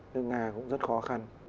nước nga cũng rất khó khăn